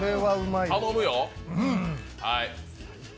頼むよ。